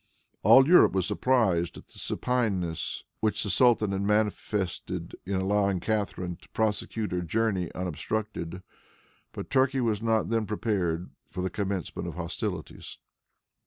All Europe was surprised at the supineness which the sultan had manifested in allowing Catharine to prosecute her journey unobstructed; but Turkey was not then prepared for the commencement of hostilities.